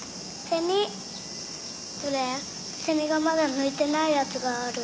セミがまだ抜いてないやつがある。